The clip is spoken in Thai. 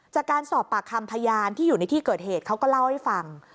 จากการสอบปากคำพยานที่อยู่ในที่เกิดเหตุเขาก็เล่าให้ฟัง